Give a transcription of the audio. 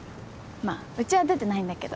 まあうちは出てないんだけど。